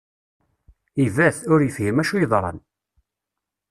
Ibat, ur yefhim acu yeḍran.